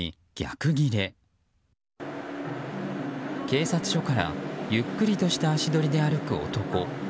警察署からゆっくりとした足取りで歩く男。